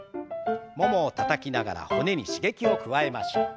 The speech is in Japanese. ももをたたきながら骨に刺激を加えましょう。